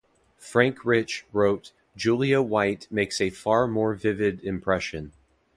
Frank Rich wrote: Julie White makes a far more vivid impression.